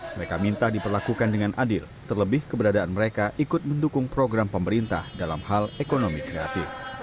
mereka minta diperlakukan dengan adil terlebih keberadaan mereka ikut mendukung program pemerintah dalam hal ekonomi kreatif